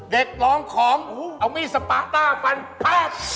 เด็กร้องของเอามีสปาต้าฟันพับ